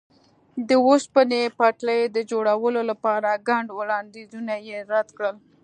د اوسپنې پټلۍ د جوړولو لپاره ګڼ وړاندیزونه یې رد کړل.